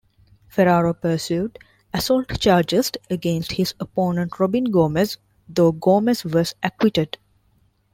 Ferarro pursued assault charges against his opponent, Robin Gomez, though Gomez was acquitted.